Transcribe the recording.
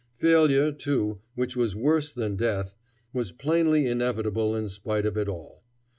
Failure, too, which was worse than death, was plainly inevitable in spite of it all.